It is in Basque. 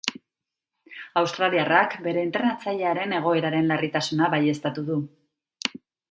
Australiarrak bere entrenatzailearen egoeraren larritasuna baieztatu du.